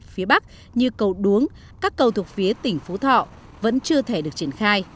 phía bắc như cầu đuống các cầu thuộc phía tỉnh phú thọ vẫn chưa thể được triển khai